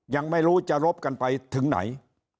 ยังไม่รู้จะรบกันไปถึงไหน